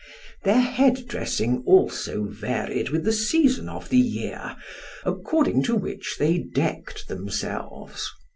Their head dressing also varied with the season of the year, according to which they decked themselves.